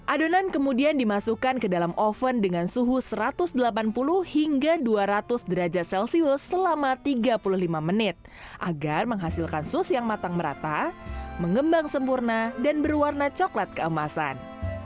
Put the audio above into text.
adonan kemudian dimasukkan ke dalam oven dengan suhu satu ratus delapan puluh hingga dua ratus derajat celcius selama tiga puluh lima menit agar menghasilkan sus yang matang merata mengembang sempurna dan berwarna coklat keemasan